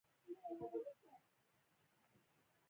واک په کوم ځانګړي مقام پورې متمرکز نه و